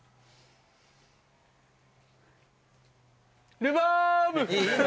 ルバーブ！